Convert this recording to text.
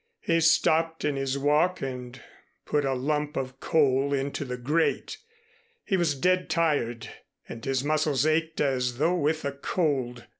He stopped in his walk and put a lump of coal into the grate. He was dead tired and his muscles ached as though with a cold.